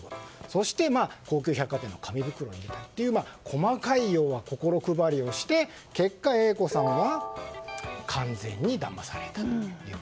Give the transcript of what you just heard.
そして、高級百貨店の紙袋にという細かい心配りをして結果、Ａ子さんは完全にだまされたと。